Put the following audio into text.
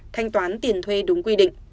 thanh toán tiền thuê đúng quy định